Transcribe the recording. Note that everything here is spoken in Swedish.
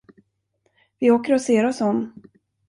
Vi åker och ser oss om.